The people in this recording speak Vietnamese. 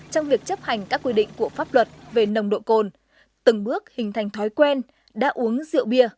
trong việc chấp hành các quy định của pháp luật về nồng độ cồn từng bước hình thành thói quen đã uống rượu bia